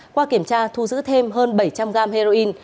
qua kiểm tra thu giữ thêm hơn bảy trăm linh gram heroin